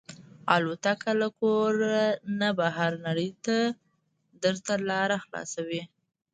الوتکه له کور نه بهر نړۍ ته درته لاره خلاصوي.